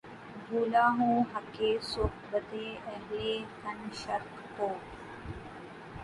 بھولا ہوں حقِ صحبتِ اہلِ کنشت کو